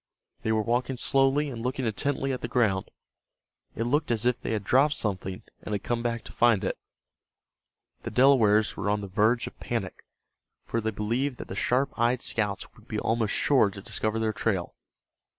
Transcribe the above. They were walking slowly and looking intently at the ground. It looked as if they had dropped something, and had come back to find it. The Delawares were on the verge of panic, for they believed that the sharp eyed scouts would be almost sure to discover their trail.